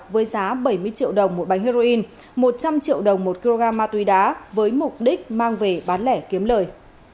với giá bảy mươi triệu đồng một bánh heroin một trăm linh triệu đồng một kg ma túy đá với mục đích mang về bán lẻ kiếm lời